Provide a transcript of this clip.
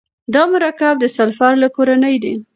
دا مرکب د سلفر له کورنۍ دی.